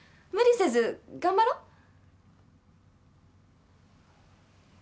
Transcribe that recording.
無理せず頑張ろう。